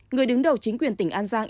người đứng đầu chính quyền tỉnh an giang